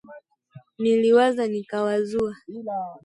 Niliwaza Nikawazua